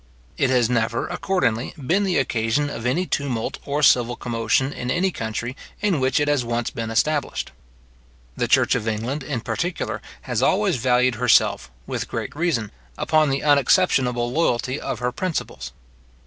It has never, accordingly, been the occasion of any tumult or civil commotion in any country in which it has once been established. The church of England, in particular, has always valued herself, with great reason, upon the unexceptionable loyalty of her principles.